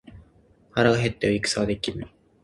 腹が減っては戦はできぬ。